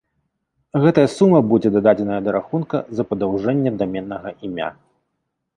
Гэтая сума будзе дададзеная да рахунка за падаўжэнне даменнага імя.